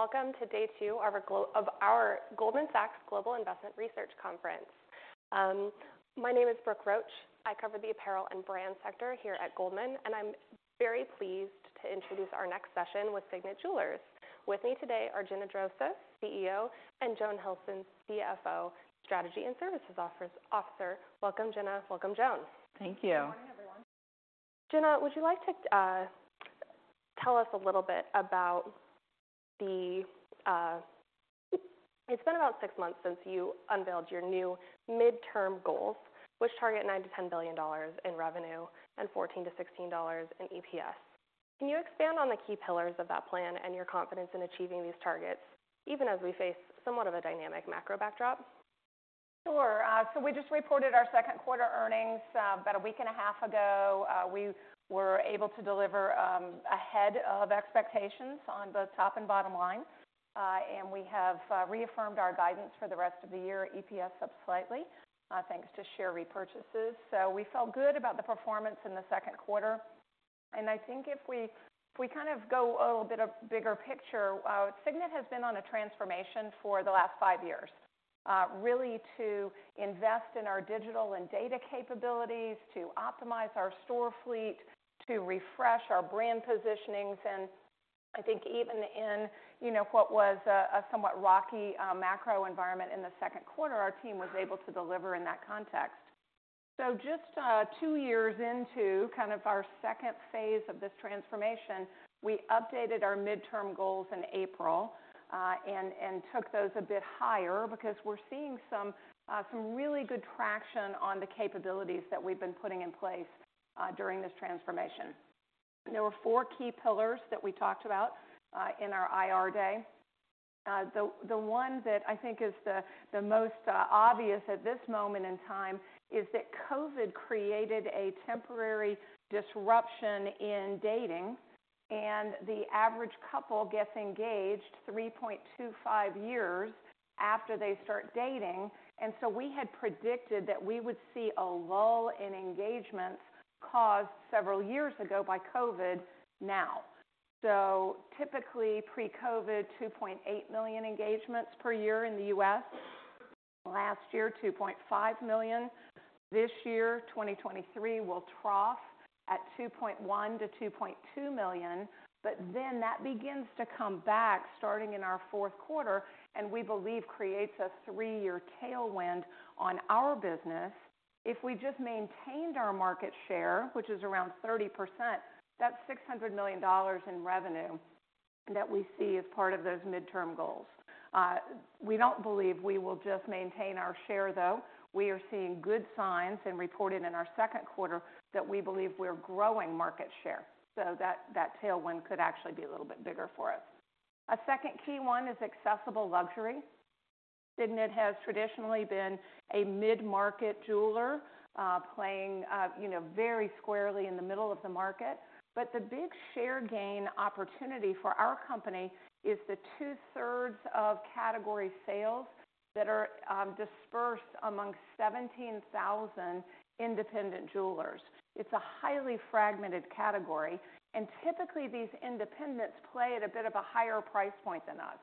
Good morning, and welcome to day two of our Goldman Sachs Global Retailing Conference. My name is Brooke Roach. I cover the apparel and brand sector here at Goldman, and I'm very pleased to introduce our next session with Signet Jewelers. With me today are Gina Drosos, CEO, and Joan Hilson, CFO and Strategy and Services Officer. Welcome, Gina. Welcome, Joan. Thank you. Good morning, everyone. Gina, would you like to tell us a little bit about the. It's been about six months since you unveiled your new midterm goals, which target $9-$10 billion in revenue and $14-$16 in EPS. Can you expand on the key pillars of that plan and your confidence in achieving these targets, even as we face somewhat of a dynamic macro backdrop? Sure. So we just reported our second quarter earnings about a week and a half ago. We were able to deliver ahead of expectations on both top and bottom line. And we have reaffirmed our guidance for the rest of the year, EPS up slightly, thanks to share repurchases. So we felt good about the performance in the second quarter, and I think if we kind of go a little bit of bigger picture, Signet has been on a transformation for the last five years, really to invest in our digital and data capabilities, to optimize our store fleet, to refresh our brand positionings. And I think even in, you know, what was a somewhat rocky macro environment in the second quarter, our team was able to deliver in that context. So just two years into kind of our second phase of this transformation, we updated our midterm goals in April and took those a bit higher because we're seeing some really good traction on the capabilities that we've been putting in place during this transformation. There were four key pillars that we talked about in our IR day. The one that I think is the most obvious at this moment in time is that COVID created a temporary disruption in dating, and the average couple gets engaged 3.25 years after they start dating. So we had predicted that we would see a lull in engagements caused several years ago by COVID now. Typically, pre-COVID, 2.8 million engagements per year in the U.S. Last year, 2.5 million. This year, 2023, will trough at $2.1 million-$2.2 million, but then that begins to come back, starting in our fourth quarter, and we believe creates a three-year tailwind on our business. If we just maintained our market share, which is around 30%, that's $600 million in revenue that we see as part of those midterm goals. We don't believe we will just maintain our share, though. We are seeing good signs and reported in our second quarter, that we believe we're growing market share, so that, that tailwind could actually be a little bit bigger for us. A second key one is accessible luxury. Signet has traditionally been a mid-market jeweler, playing, you know, very squarely in the middle of the market. But the big share gain opportunity for our company is the two-thirds of category sales that are dispersed among 17,000 independent jewelers. It's a highly fragmented category, and typically, these independents play at a bit of a higher price point than us.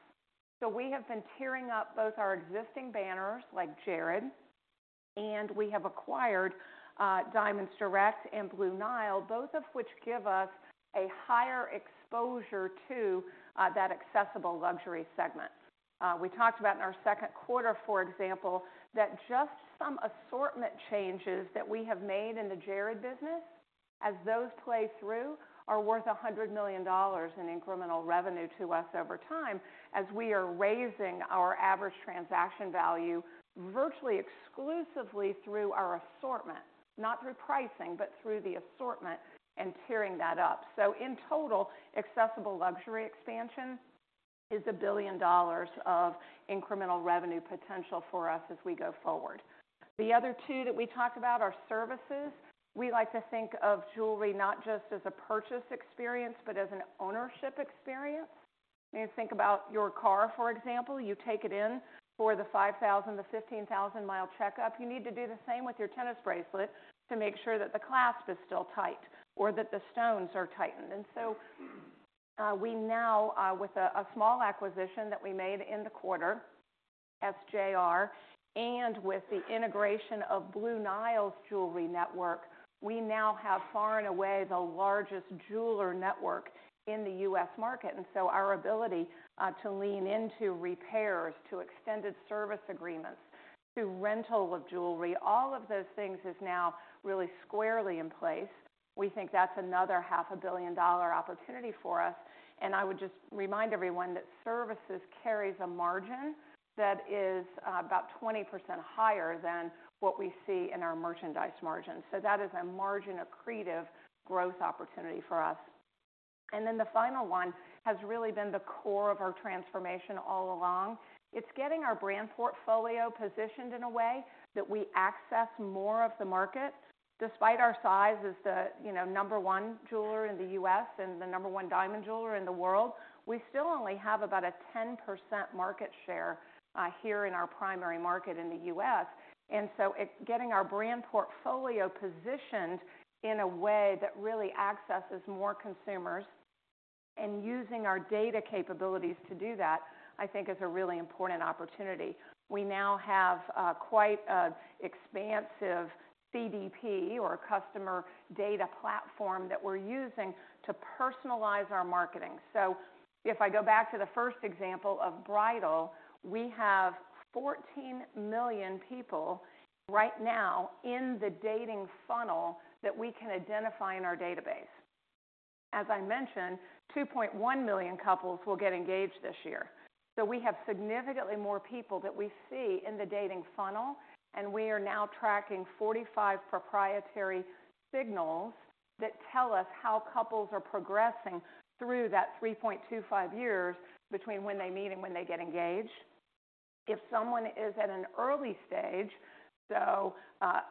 So we have been tiering up both our existing banners, like Jared, and we have acquired Diamonds Direct and Blue Nile, both of which give us a higher exposure to that accessible luxury segment. We talked about in our second quarter, for example, that just some assortment changes that we have made in the Jared business, as those play through, are worth $100 million in incremental revenue to us over time, as we are raising our average transaction value virtually exclusively through our assortment, not through pricing, but through the assortment and tiering that up. So in total, Accessible Luxury expansion is $1 billion of incremental revenue potential for us as we go forward. The other two that we talked about are services. We like to think of jewelry not just as a purchase experience, but as an ownership experience. When you think about your car, for example, you take it in for the 5,000-15,000-mile checkup. You need to do the same with your tennis bracelet to make sure that the clasp is still tight or that the stones are tightened. And so, we now, with a small acquisition that we made in the quarter, SJR, and with the integration of Blue Nile's jewelry network, we now have far and away the largest jeweler network in the U.S. market. And so our ability to lean into repairs, to extended service agreements, to rental of jewelry, all of those things is now really squarely in place. We think that's another $500 million opportunity for us. And I would just remind everyone that services carries a margin that is about 20% higher than what we see in our merchandise margin. So that is a margin-accretive growth opportunity for us. And then the final one has really been the core of our transformation all along. It's getting our brand portfolio positioned in a way that we access more of the market. Despite our size as the, you know, number one jeweler in the U.S. and the number one diamond jeweler in the world, we still only have about a 10% market share here in our primary market in the U.S. And so it's getting our brand portfolio positioned in a way that really accesses more consumers... and using our data capabilities to do that, I think is a really important opportunity. We now have quite an expansive CDP or customer data platform that we're using to personalize our marketing. So if I go back to the first example of bridal, we have 14 million people right now in the dating funnel that we can identify in our database. As I mentioned, 2.1 million couples will get engaged this year. So we have significantly more people that we see in the dating funnel, and we are now tracking 45 proprietary signals that tell us how couples are progressing through that 3.25 years between when they meet and when they get engaged. If someone is at an early stage, so,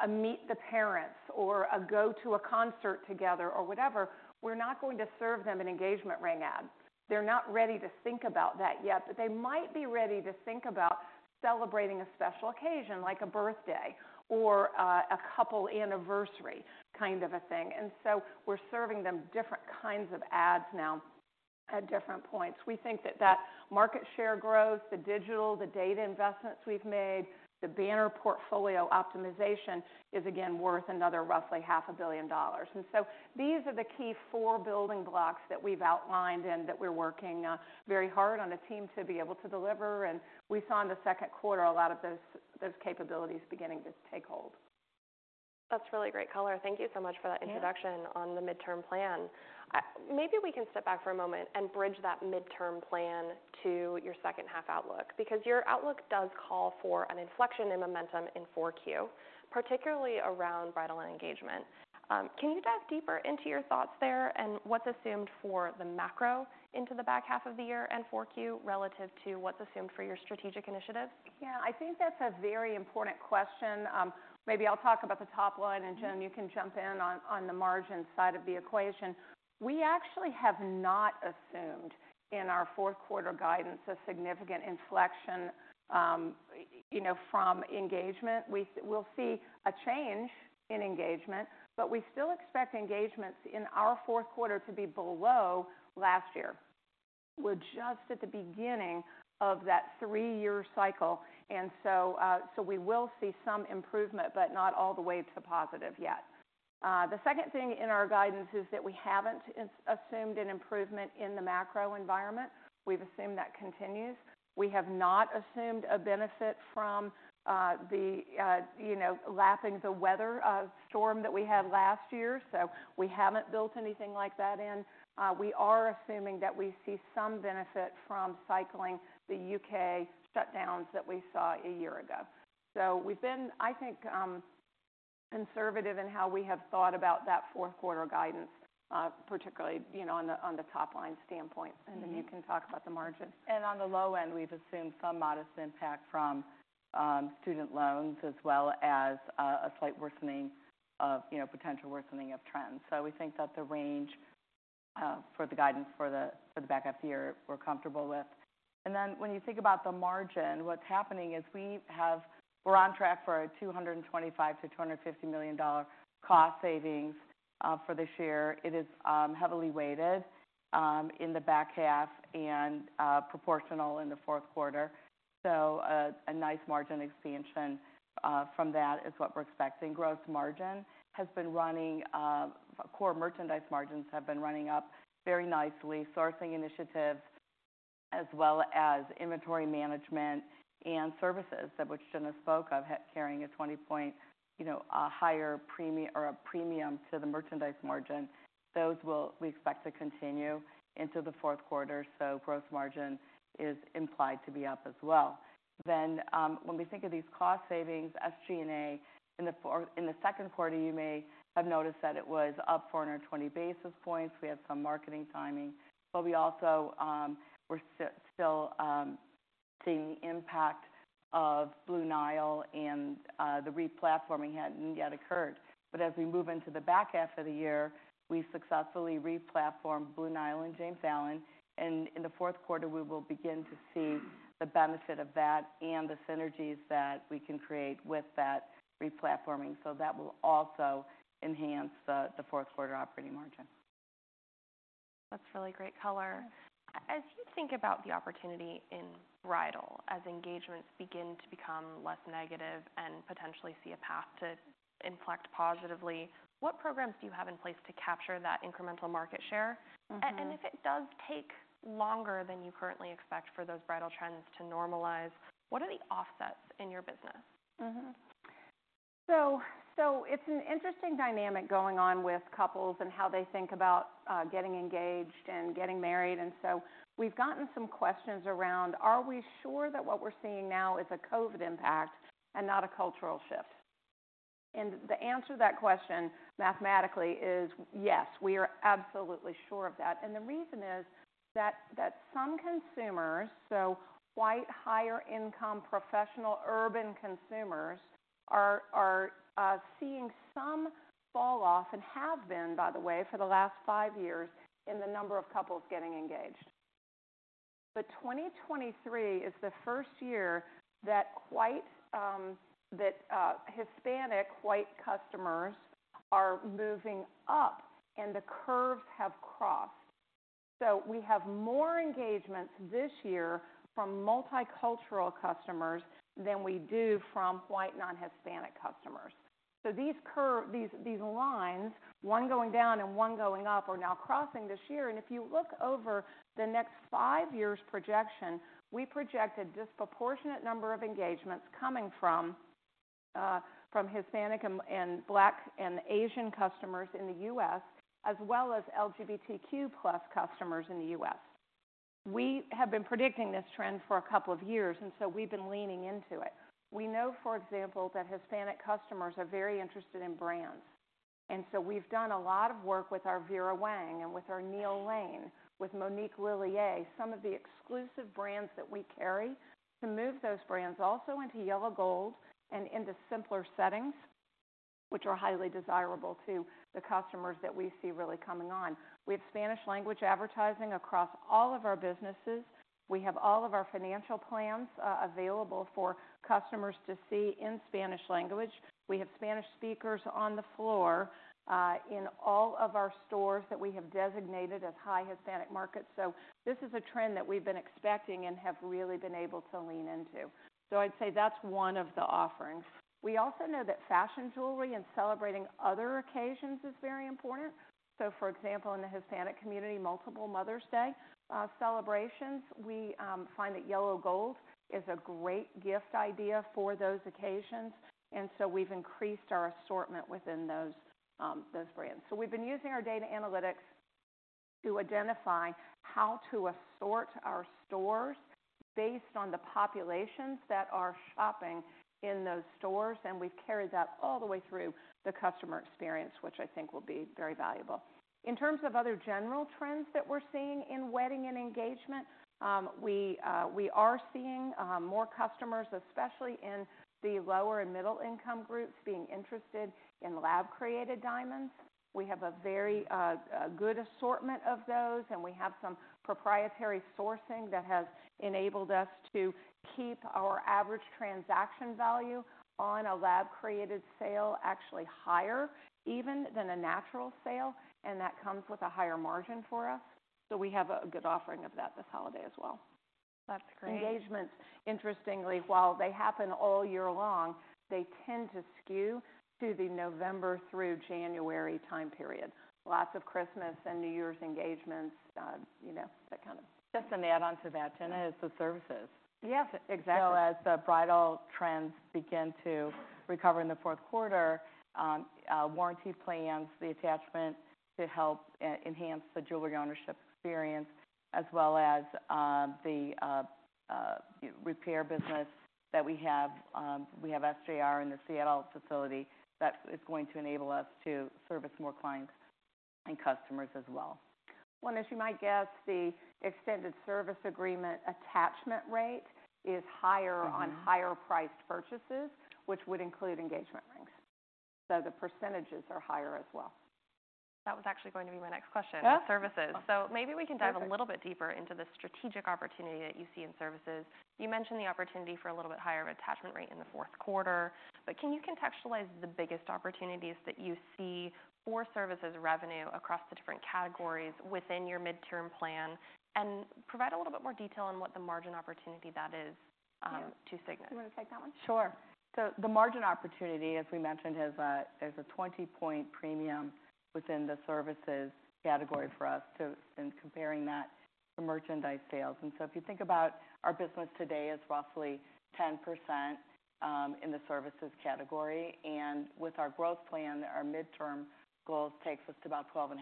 a meet the parents or a go to a concert together or whatever, we're not going to serve them an engagement ring ad. They're not ready to think about that yet, but they might be ready to think about celebrating a special occasion, like a birthday or, a couple anniversary kind of a thing. And so we're serving them different kinds of ads now at different points. We think that that market share growth, the digital, the data investments we've made, the banner portfolio optimization, is again worth another roughly $500 million. And so these are the key four building blocks that we've outlined and that we're working, very hard on a team to be able to deliver, and we saw in the second quarter a lot of those, those capabilities beginning to take hold. That's really great color. Thank you so much for that- Yeah... introduction on the midterm plan. Maybe we can step back for a moment and bridge that midterm plan to your second half outlook, because your outlook does call for an inflection in momentum in Q4, particularly around bridal and engagement. Can you dive deeper into your thoughts there and what's assumed for the macro into the back half of the year and Q4, relative to what's assumed for your strategic initiatives? Yeah, I think that's a very important question. Maybe I'll talk about the top line, and Joan, you can jump in on, on the margin side of the equation. We actually have not assumed in our fourth quarter guidance a significant inflection, you know, from engagement. We'll see a change in engagement, but we still expect engagements in our fourth quarter to be below last year. We're just at the beginning of that three-year cycle, and so, so we will see some improvement, but not all the way to the positive yet. The second thing in our guidance is that we haven't assumed an improvement in the macro environment. We've assumed that continues. We have not assumed a benefit from, the, you know, lapping the weather storm that we had last year, so we haven't built anything like that in. We are assuming that we see some benefit from cycling the UK shutdowns that we saw a year ago. So we've been, I think, conservative in how we have thought about that fourth quarter guidance, particularly, you know, on the top line standpoint. Mm-hmm. And then you can talk about the margin. On the low end, we've assumed some modest impact from student loans as well as a slight worsening of, you know, potential worsening of trends. We think that the range for the guidance for the back half year, we're comfortable with. Then when you think about the margin, what's happening is we have... We're on track for $225 million-$250 million cost savings for this year. It is heavily weighted in the back half and proportional in the fourth quarter. A nice margin expansion from that is what we're expecting. Growth margin has been running... Core merchandise margins have been running up very nicely. Sourcing initiatives as well as inventory management and services, of which Gina spoke of, carrying a 20-point, you know, a higher premium to the merchandise margin. Those will, we expect to continue into the fourth quarter, so gross margin is implied to be up as well. Then, when we think of these cost savings, SG&A, in the second quarter, you may have noticed that it was up 420 basis points. We had some marketing timing, but we also, we're still seeing the impact of Blue Nile and, the replatforming hadn't yet occurred. But as we move into the back half of the year, we successfully replatformed Blue Nile and James Allen, and in the fourth quarter, we will begin to see the benefit of that and the synergies that we can create with that replatforming. So that will also enhance the fourth quarter operating margin. That's really great color. As you think about the opportunity in bridal, as engagements begin to become less negative and potentially see a path to inflect positively, what programs do you have in place to capture that incremental market share? Mm-hmm. If it does take longer than you currently expect for those bridal trends to normalize, what are the offsets in your business? Mm-hmm. So, so it's an interesting dynamic going on with couples and how they think about getting engaged and getting married. And so we've gotten some questions around, are we sure that what we're seeing now is a COVID impact and not a cultural shift? And the answer to that question mathematically is yes, we are absolutely sure of that. And the reason is that some consumers, so white, higher income, professional, urban consumers, are seeing some falloff, and have been, by the way, for the last five years, in the number of couples getting engaged. But 2023 is the first year that white, that, Hispanic white customers are moving up and the curves have crossed. So we have more engagements this year from multicultural customers than we do from white non-Hispanic customers. So these lines, one going down and one going up, are now crossing this year. If you look over the next five years projection, we project a disproportionate number of engagements coming from Hispanic and Black and Asian customers in the U.S., as well as LGBTQ plus customers in the U.S. We have been predicting this trend for a couple of years, and so we've been leaning into it. We know, for example, that Hispanic customers are very interested in brands, and so we've done a lot of work with our Vera Wang and with our Neil Lane, with Monique Lhuillier, some of the exclusive brands that we carry, to move those brands also into yellow gold and into simpler settings, which are highly desirable to the customers that we see really coming on. We have Spanish language advertising across all of our businesses. We have all of our financial plans available for customers to see in Spanish language. We have Spanish speakers on the floor in all of our stores that we have designated as high Hispanic markets. So this is a trend that we've been expecting and have really been able to lean into. So I'd say that's one of the offerings. We also know that fashion jewelry and celebrating other occasions is very important. So for example, in the Hispanic community, multiple Mother's Day celebrations, we find that yellow gold is a great gift idea for those occasions, and so we've increased our assortment within those brands. So we've been using our data analytics to identify how to assort our stores based on the populations that are shopping in those stores, and we've carried that all the way through the customer experience, which I think will be very valuable. In terms of other general trends that we're seeing in wedding and engagement, we are seeing more customers, especially in the lower and middle income groups, being interested in lab-created diamonds. We have a very good assortment of those, and we have some proprietary sourcing that has enabled us to keep our average transaction value on a lab-created sale actually higher even than a natural sale, and that comes with a higher margin for us. So we have a good offering of that this holiday as well. That's great. Engagements, interestingly, while they happen all year long, they tend to skew to the November through January time period. Lots of Christmas and New Year's engagements, you know, that kind of- Just an add-on to that, Gina, is the services. Yes, exactly. So as the bridal trends begin to recover in the fourth quarter, warranty plans, the attachment to help enhance the jewelry ownership experience, as well as, the repair business that we have, we have SJR in the Seattle facility, that is going to enable us to service more clients and customers as well. Well, as you might guess, the extended service agreement attachment rate is higher- Mm-hmm... on higher priced purchases, which would include engagement rings. The percentages are higher as well. That was actually going to be my next question. Yeah... services. So maybe we can dive- Perfect... a little bit deeper into the strategic opportunity that you see in services. You mentioned the opportunity for a little bit higher attachment rate in the fourth quarter, but can you contextualize the biggest opportunities that you see for services revenue across the different categories within your midterm plan, and provide a little bit more detail on what the margin opportunity that is, to Signet? Do you want to take that one? Sure. So the margin opportunity, as we mentioned, is, there's a 20-point premium within the services category for us in comparing that to merchandise sales. And so if you think about our business today is roughly 10% in the services category, and with our growth plan, our midterm goal takes us to about 12.5%.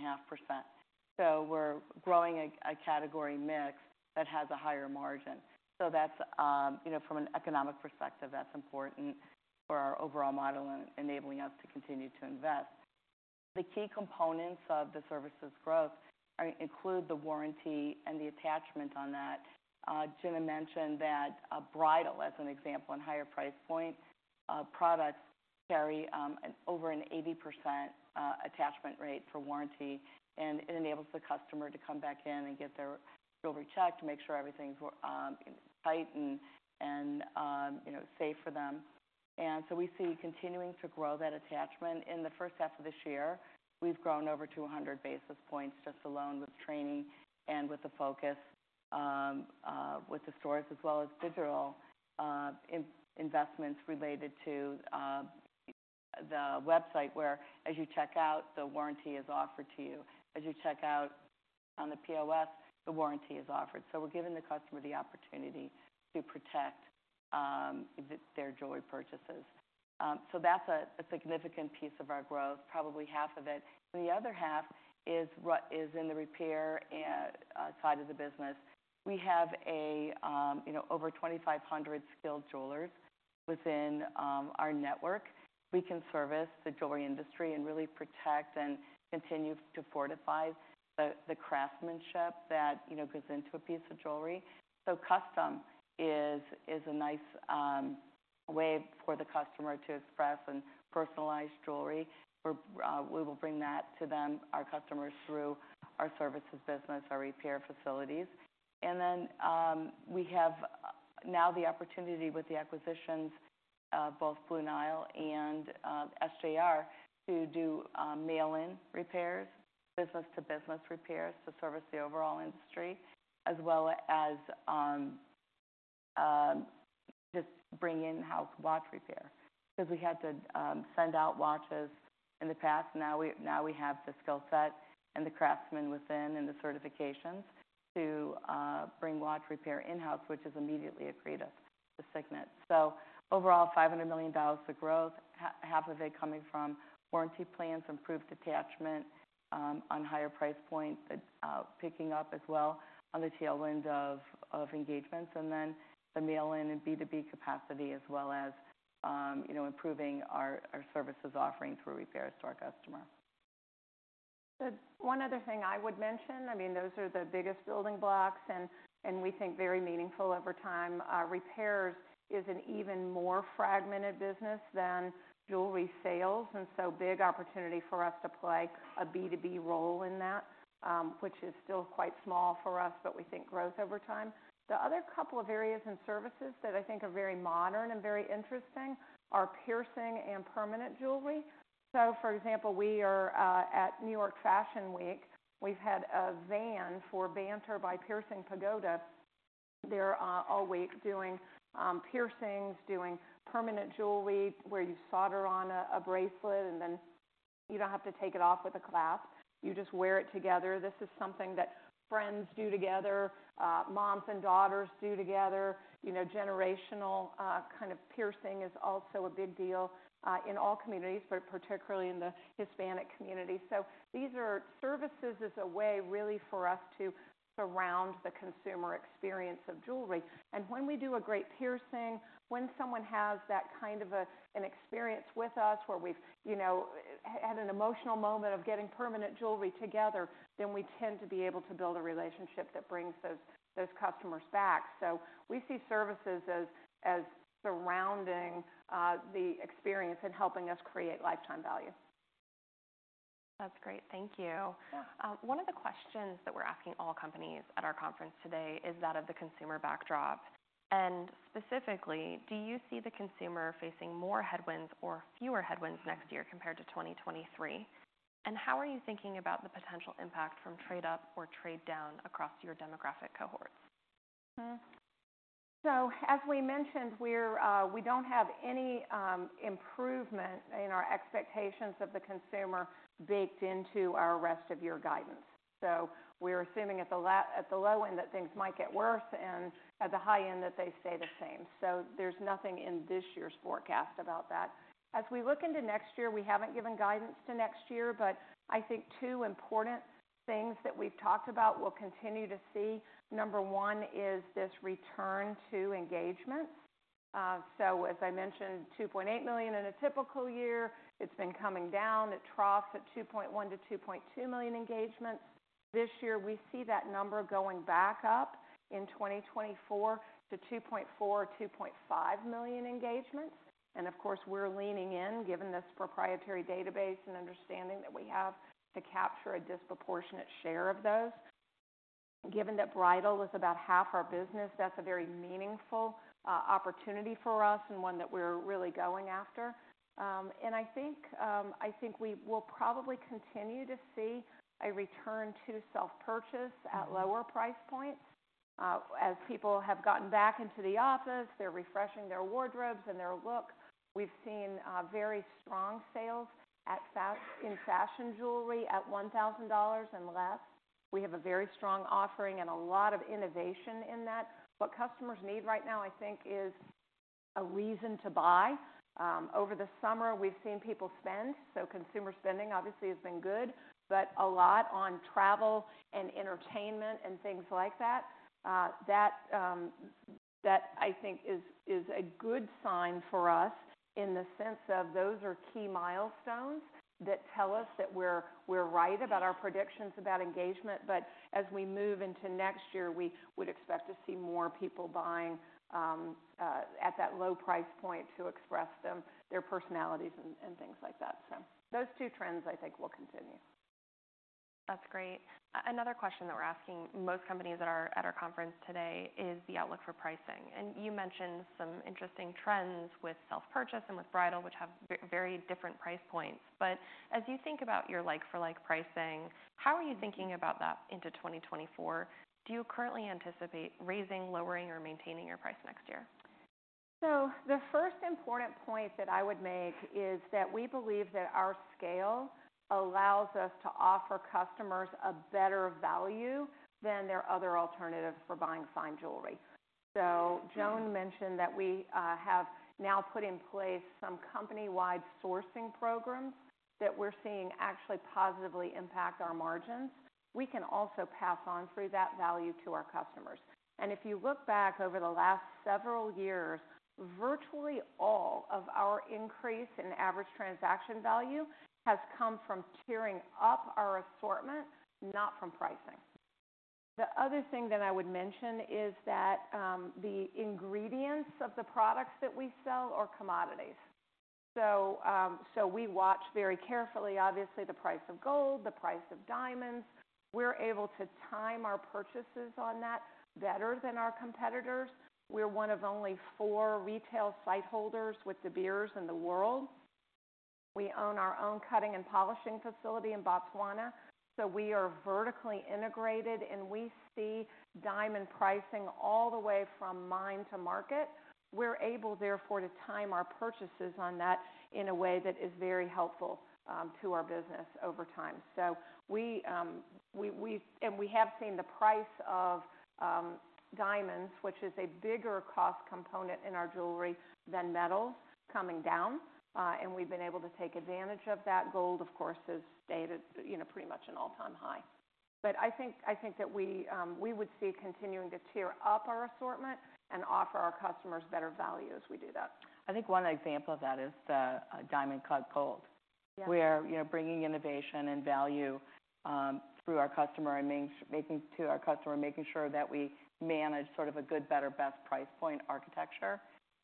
So we're growing a category mix that has a higher margin. So that's, you know, from an economic perspective, that's important for our overall model and enabling us to continue to invest. The key components of the services growth include the warranty and the attachment on that. Gina mentioned that, bridal, as an example, and higher price point products carry over an 80% attachment rate for warranty, and it enables the customer to come back in and get their jewelry checked to make sure everything's tight and you know, safe for them. And so we see continuing to grow that attachment. In the first half of this year, we've grown over 200 basis points just alone with training and with the focus with the stores as well as digital investments related to the website, where as you check out, the warranty is offered to you. As you check out on the POS, the warranty is offered. So we're giving the customer the opportunity to protect their jewelry purchases. So that's a significant piece of our growth, probably half of it. The other half is what is in the repair side of the business. We have, you know, over 2,500 skilled jewelers within our network. We can service the jewelry industry and really protect and continue to fortify the craftsmanship that, you know, goes into a piece of jewelry. So custom is a nice way for the customer to express and personalize jewelry. We will bring that to them, our customers, through our services business, our repair facilities. And then, we have now the opportunity with the acquisitions of both Blue Nile and SJR, to do mail-in repairs, business-to-business repairs, to service the overall industry, as well as just bring in-house watch repair. Because we had to send out watches in the past, now we have the skill set and the craftsmen within, and the certifications to bring watch repair in-house, which is immediately accretive to Signet. So overall, $500 million of growth, half of it coming from warranty plans, improved attachment on higher price points, picking up as well on the tail end of engagements, and then the mail-in and B2B capacity, as well as you know, improving our services offerings for repairs to our customer. One other thing I would mention, I mean, those are the biggest building blocks and we think very meaningful over time. Repairs is an even more fragmented business than jewelry sales, and so big opportunity for us to play a B2B role in that, which is still quite small for us, but we think grows over time. The other couple of areas in services that I think are very modern and very interesting are piercing and permanent jewelry. So for example, we are at New York Fashion Week, we've had a van for Banter by Piercing Pagoda. They're all week doing piercings, doing permanent jewelry, where you solder on a bracelet, and then you don't have to take it off with a clasp, you just wear it together. This is something that friends do together, moms and daughters do together. You know, generational kind of piercing is also a big deal in all communities, but particularly in the Hispanic community. So these are services as a way, really, for us to surround the consumer experience of jewelry. And when we do a great piercing, when someone has that kind of an experience with us, where we've, you know, had an emotional moment of getting permanent jewelry together, then we tend to be able to build a relationship that brings those customers back. So we see services as surrounding the experience and helping us create lifetime value. That's great. Thank you. Yeah. One of the questions that we're asking all companies at our conference today is that of the consumer backdrop, and specifically, do you see the consumer facing more headwinds or fewer headwinds next year compared to 2023? And how are you thinking about the potential impact from trade up or trade down across your demographic cohorts? Mm-hmm. So as we mentioned, we're, we don't have any, improvement in our expectations of the consumer baked into our rest of year guidance. So we're assuming at the low end, that things might get worse, and at the high end, that they stay the same. So there's nothing in this year's forecast about that. As we look into next year, we haven't given guidance to next year, but I think two important things that we've talked about, we'll continue to see. Number one is this return to engagement. So as I mentioned, 2.8 million in a typical year, it's been coming down. It troughed at 2.1-2.2 million engagements. This year, we see that number going back up in 2024 to 2.4-2.5 million engagements. And of course, we're leaning in, given this proprietary database and understanding that we have to capture a disproportionate share of those. Given that bridal is about half our business, that's a very meaningful opportunity for us and one that we're really going after. And I think we will probably continue to see a return to self-purchase- Mm-hmm. - at lower price points. As people have gotten back into the office, they're refreshing their wardrobes and their look. We've seen very strong sales in fashion jewelry at $1,000 and less. We have a very strong offering and a lot of innovation in that. What customers need right now, I think, is a reason to buy. Over the summer, we've seen people spend, so consumer spending obviously has been good, but a lot on travel and entertainment and things like that. That I think is a good sign for us in the sense of those are key milestones that tell us that we're right about our predictions about engagement. But as we move into next year, we would expect to see more people buying at that low price point to express their personalities and things like that. So those two trends, I think, will continue. That's great. Another question that we're asking most companies at our conference today is the outlook for pricing. And you mentioned some interesting trends with self-purchase and with bridal, which have very different price points. But as you think about your like-for-like pricing, how are you thinking about that into 2024? Do you currently anticipate raising, lowering, or maintaining your price next year? The first important point that I would make is that we believe that our scale allows us to offer customers a better value than their other alternatives for buying fine jewelry. Mm-hmm. So Joan mentioned that we have now put in place some company-wide sourcing programs that we're seeing actually positively impact our margins. We can also pass on through that value to our customers. And if you look back over the last several years, virtually all of our increase in average transaction value has come from tiering up our assortment, not from pricing. The other thing that I would mention is that the ingredients of the products that we sell are commodities. So we watch very carefully, obviously, the price of gold, the price of diamonds. We're able to time our purchases on that better than our competitors. We're one of only four retail sightholders with De Beers in the world. We own our own cutting and polishing facility in Botswana, so we are vertically integrated, and we see diamond pricing all the way from mine to market. We're able, therefore, to time our purchases on that in a way that is very helpful to our business over time. So we have seen the price of diamonds, which is a bigger cost component in our jewelry than metal, coming down, and we've been able to take advantage of that. Gold, of course, has stayed at, you know, pretty much an all-time high. But I think that we would see continuing to tier up our assortment and offer our customers better value as we do that. I think one example of that is the Diamond Cut Gold. Yeah. We are, you know, bringing innovation and value through our customer and making to our customer, making sure that we manage sort of a good, better, best price point architecture,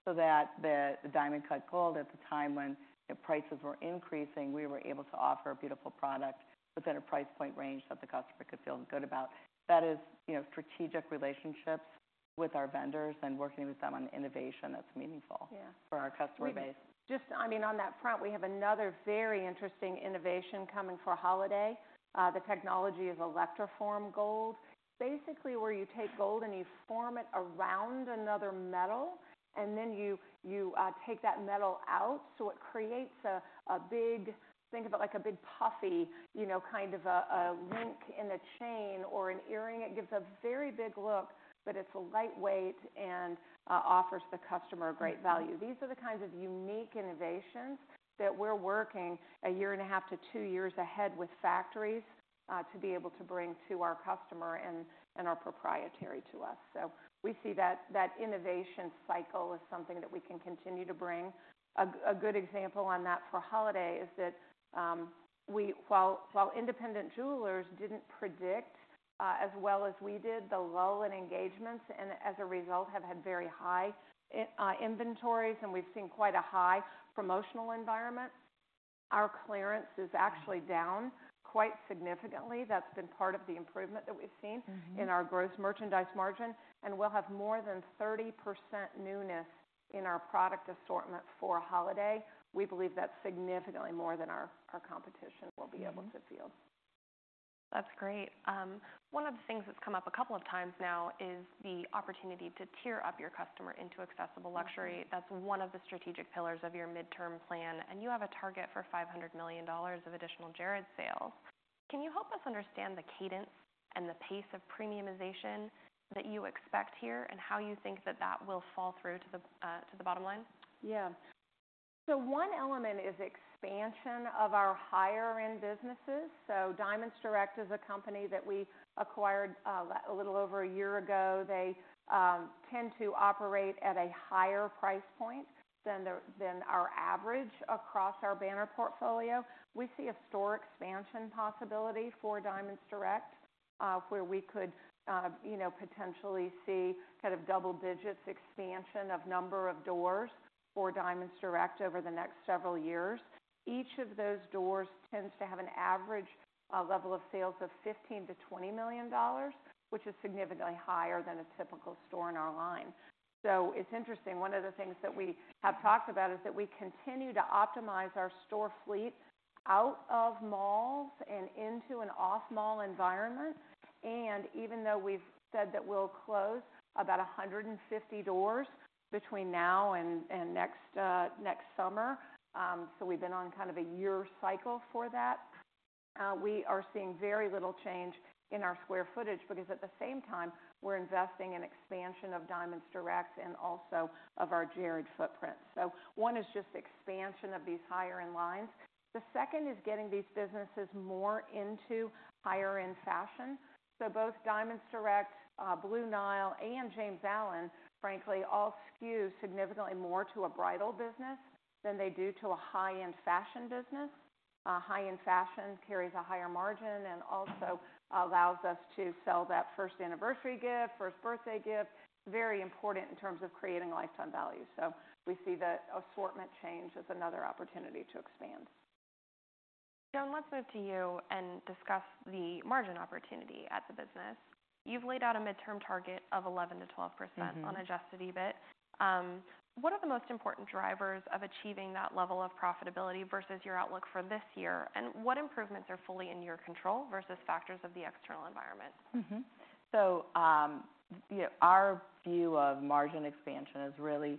so that the Diamond Cut Gold at the time when the prices were increasing, we were able to offer a beautiful product within a price point range that the customer could feel good about. That is, you know, strategic relationships with our vendors and working with them on innovation that's meaningful- Yeah for our customer base. Just, I mean, on that front, we have another very interesting innovation coming for holiday. The technology is Electroform Gold. Basically, where you take gold and you form it around another metal, and then you take that metal out, so it creates a big... Think of it like a big, puffy, you know, kind of a link in a chain or an earring. It gives a very big look, but it's lightweight and offers the customer great value. These are the kinds of unique innovations that we're working 1.5-2 years ahead with factories to be able to bring to our customer and are proprietary to us. So we see that innovation cycle as something that we can continue to bring. A good example on that for holiday is that, we, while independent jewelers didn't predict as well as we did, the lull in engagements, and as a result, have had very high inventories, and we've seen quite a high promotional environment. Our clearance is actually down quite significantly. That's been part of the improvement that we've seen- Mm-hmm... in our gross merchandise margin, and we'll have more than 30% newness in our product assortment for holiday. We believe that's significantly more than our competition will be able to field. Mm-hmm. That's great. One of the things that's come up a couple of times now is the opportunity to tier up your customer into Accessible Luxury. Mm-hmm. That's one of the strategic pillars of your midterm plan, and you have a target for $500 million of additional Jared sales. Can you help us understand the cadence and the pace of premiumization that you expect here, and how you think that that will fall through to the, to the bottom line? Yeah. So one element is expansion of our higher-end businesses. So Diamonds Direct is a company that we acquired a little over a year ago. They tend to operate at a higher price point than their, than our average across our banner portfolio. We see a store expansion possibility for Diamonds Direct, where we could you know, potentially see kind of double digits expansion of number of doors for Diamonds Direct over the next several years. Each of those doors tends to have an average level of sales of $15 million-$20 million, which is significantly higher than a typical store in our line. So it's interesting. One of the things that we have talked about is that we continue to optimize our store fleet out of malls and into an off-mall environment. Even though we've said that we'll close about 150 doors between now and next summer, so we've been on kind of a year cycle for that. We are seeing very little change in our square footage because at the same time, we're investing in expansion of Diamonds Direct and also of our Jared footprint. So one is just expansion of these higher-end lines. The second is getting these businesses more into higher-end fashion. So both Diamonds Direct, Blue Nile, and James Allen, frankly, all skew significantly more to a bridal business than they do to a high-end fashion business. High-end fashion carries a higher margin and also allows us to sell that first anniversary gift, first birthday gift. Very important in terms of creating lifetime value. So we see that assortment change as another opportunity to expand. Joan, let's move to you and discuss the margin opportunity at the business. You've laid out a midterm target of 11%-12%- Mm-hmm... on adjusted EBIT. What are the most important drivers of achieving that level of profitability versus your outlook for this year, and what improvements are fully in your control versus factors of the external environment? So, yeah, our view of margin expansion is really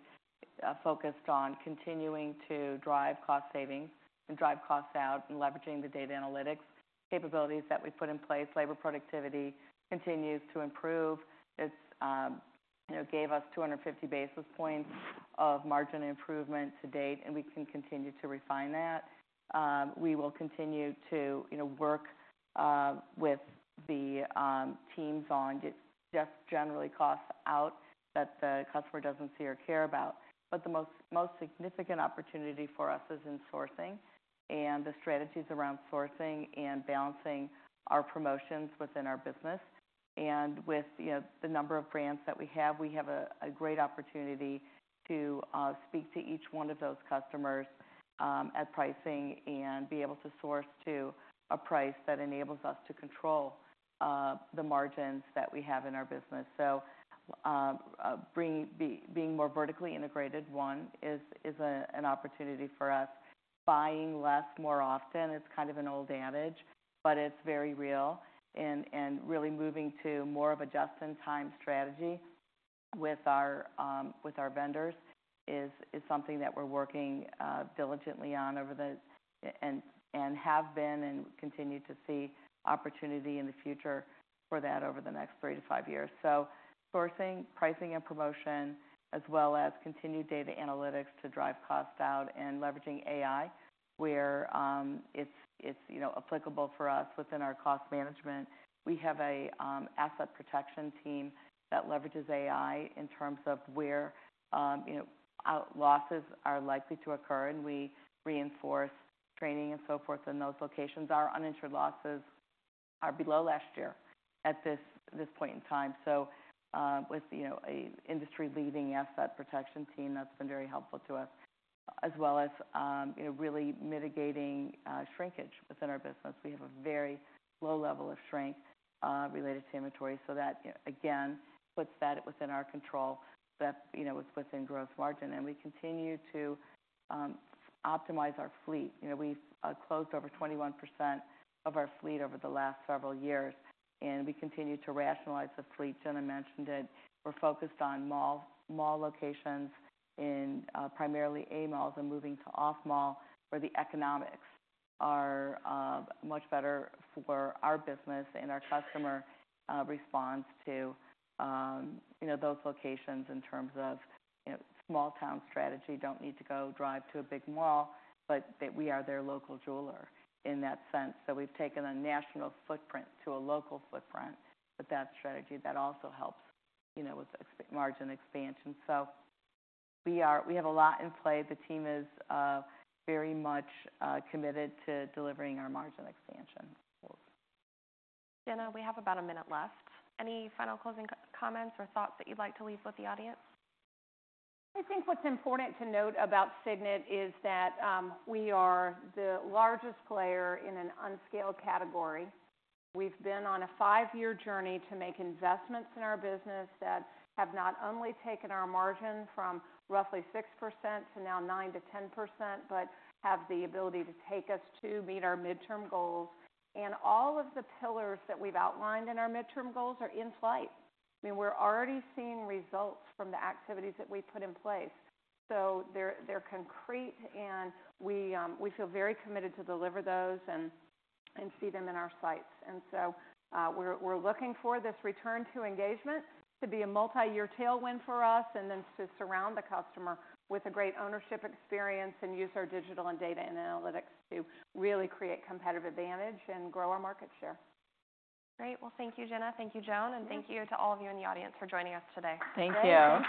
focused on continuing to drive cost savings and drive costs out and leveraging the data analytics capabilities that we put in place. Labor productivity continues to improve. It's, you know, gave us 250 basis points of margin improvement to date, and we can continue to refine that. We will continue to, you know, work with the teams on just generally costs out that the customer doesn't see or care about. But the most significant opportunity for us is in sourcing and the strategies around sourcing and balancing our promotions within our business. And with, you know, the number of brands that we have, we have a great opportunity to speak to each one of those customers at pricing and be able to source to a price that enables us to control the margins that we have in our business. So, being more vertically integrated, one, is an opportunity for us. Buying less more often, it's kind of an old adage, but it's very real, and really moving to more of a just-in-time strategy with our vendors is something that we're working diligently on over the. And have been and continue to see opportunity in the future for that over the next three to five years. So sourcing, pricing, and promotion, as well as continued data analytics to drive cost out and leveraging AI, where it's, you know, applicable for us within our cost management. We have a asset protection team that leverages AI in terms of where, you know, our losses are likely to occur, and we reinforce training and so forth in those locations. Our uninsured losses are below last year at this point in time. So, with, you know, a industry-leading asset protection team, that's been very helpful to us, as well as, you know, really mitigating shrinkage within our business. We have a very low level of shrink related to inventory, so that, again, puts that within our control. That, you know, it's within gross margin. And we continue to optimize our fleet. You know, we've closed over 21% of our fleet over the last several years, and we continue to rationalize the fleet. Gina mentioned it. We're focused on mall, mall locations in primarily A malls and moving to off mall, where the economics are much better for our business and our customer responds to, you know, those locations in terms of, you know, small town strategy. Don't need to go drive to a big mall, but that we are their local jeweler in that sense. So we've taken a national footprint to a local footprint with that strategy. That also helps, you know, with ex-margin expansion. So we are. We have a lot in play. The team is very much committed to delivering our margin expansion. Gina, we have about a minute left. Any final closing comments or thoughts that you'd like to leave with the audience? I think what's important to note about Signet is that we are the largest player in an unscaled category. We've been on a five-year journey to make investments in our business that have not only taken our margin from roughly 6% to now 9%-10%, but have the ability to take us to meet our midterm goals. All of the pillars that we've outlined in our midterm goals are in flight. I mean, we're already seeing results from the activities that we've put in place. So they're concrete, and we feel very committed to deliver those and see them in our sights. We're looking for this return to engagement to be a multi-year tailwind for us, and then to surround the customer with a great ownership experience and use our digital and data and analytics to really create competitive advantage and grow our market share. Great! Well, thank you, Gina. Thank you, Joan, and thank you to all of you in the audience for joining us today. Thank you.